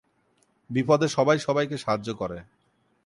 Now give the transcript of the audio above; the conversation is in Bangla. বিপদে সবাই সবাইকে সাহায্য করে।